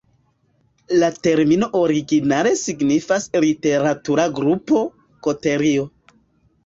La termino originale signifas "literatura grupo","koterio".